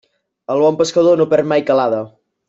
El bon pescador no perd mai calada.